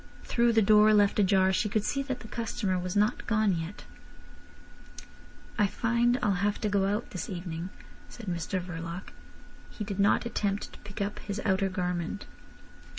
Through the door left ajar she could see that the customer was not gone yet. "I find I'll have to go out this evening," said Mr Verloc. He did not attempt to pick up his outer garment.